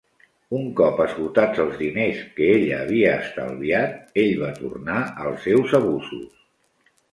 Un cop esgotats els diners que ella havia estalviat, ell va tornar als seus abusos.